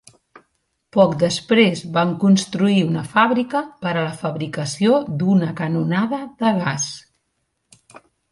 Poc després van construir una fàbrica per a la fabricació d'una canonada de gas.